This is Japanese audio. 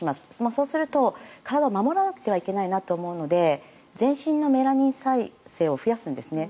そうすると体を守らなくてはいけないとなるので全身のメラニン生成を増やすんですね。